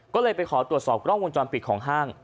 ก็เลยไปขอตรวจสอบกล้องวงจรปิดของห้าง